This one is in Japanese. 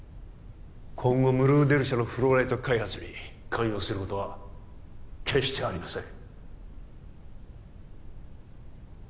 今後ムルーデル社のフローライト開発に関与することは決してありません